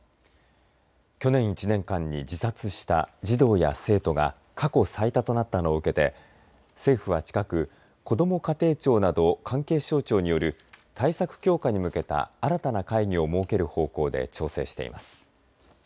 去年１年間に自殺した児童や生徒が過去最多となったのを受けて政府は近く、こども家庭庁など関係省庁による対策強化に向けた新たな会議を設ける方向で調整しています。